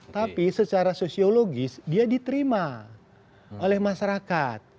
tapi secara sosiologis dia diterima oleh masyarakat